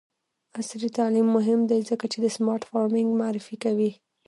عصري تعلیم مهم دی ځکه چې د سمارټ فارمینګ معرفي کوي.